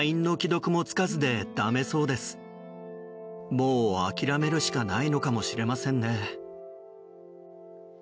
もう諦めるのしかないのかもしれませんね。